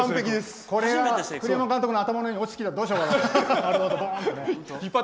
これが栗山監督の頭の上に落ちてきたら、どうしようかと。